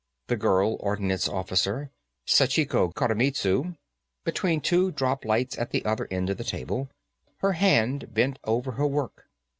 The girl ordnance officer, Sachiko Koremitsu, between two droplights at the other end of the table, her head bent over her work.